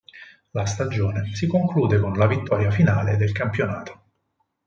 La stagione si conclude con la vittoria finale del Campionato.